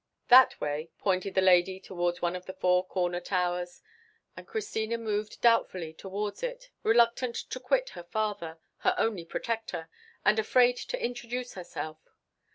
"That way," pointed the lady towards one of the four corner towers; and Christina moved doubtfully towards it, reluctant to quit her father, her only protector, and afraid to introduce herself.